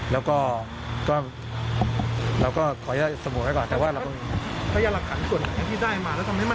แล้วก็ก็เราก็ขออนุญาตสมมุติให้ก่อนแต่ว่าเราก็พยายามหลักฐานส่วนไหนที่ได้มา